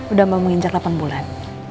udah mau menginjak delapan bulan